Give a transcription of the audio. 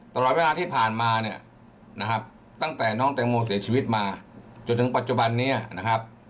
ตลอดเวลาที่ผ่านมาเนี่ยนะครับตั้งแต่น้องแตงโมเสียชีวิตมาจนถึงปัจจุบันนี้นะครับ